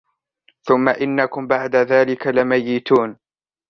ثم إنكم بعد ذلك لميتون